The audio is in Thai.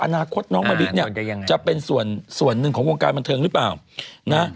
อนาคตน้องมะริจะเป็นส่วนหนึ่งของวงการบันเทิงหรือเปล่า